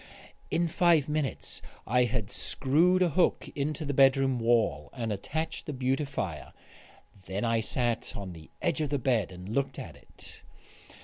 In five minutes I had screwed a hook into the bedroom wall and attached the beautifier. Then I sat on the edge of the bed and looked at it.